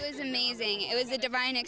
ini pengalaman yang sangat mengembangkan